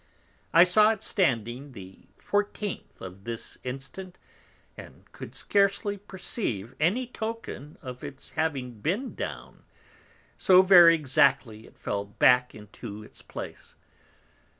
I saw it standing the 14th of this Instant, and could hardly perceive any Token of its having been Down, so very exactly it fell back into its place.